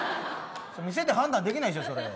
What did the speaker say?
見せて判断できないでしょそれ。